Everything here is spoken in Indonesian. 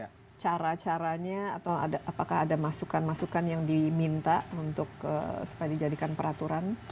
apakah ada cara caranya atau apakah ada masukan masukan yang diminta supaya dijadikan peraturan